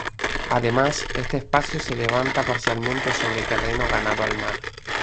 Además, este espacio se levanta parcialmente sobre terreno ganado al mar.